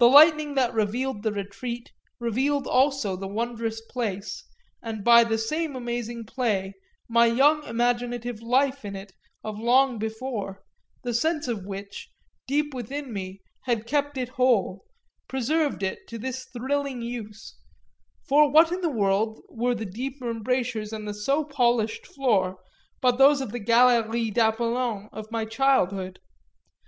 The lightning that revealed the retreat revealed also the wondrous place and, by the same amazing play, my young imaginative life in it of long before, the sense of which, deep within me, had kept it whole, preserved it to this thrilling use; for what in the world were the deep embrasures and the so polished floor but those of the Galerie d'Apollon of my childhood?